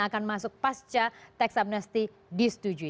akan masuk pasca tax amnesty disetujui